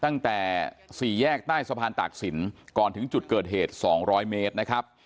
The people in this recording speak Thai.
ตั้งแต่สี่แยกใต้สะพานตากศิลป์ก่อนถึงจุดเกิดเหตุ๒๐๐เมตรนะครับ